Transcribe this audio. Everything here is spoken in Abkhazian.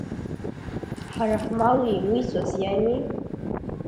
Ҳара ҳмал еимиҵәаз иами?